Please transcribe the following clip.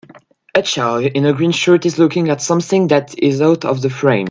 A child in a green shirt is looking at something that is out of the frame.